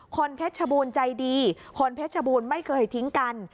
เพชรชบูรณ์ใจดีคนเพชรบูรณ์ไม่เคยทิ้งกัน